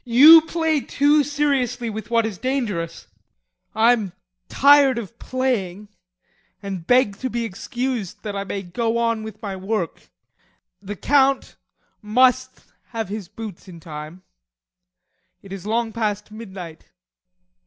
You play too seriously with what is dangerous. Now I'm tired of playing and beg to be excused that I may go on with my work. The Count must have his boots in time, and it is long past midnight.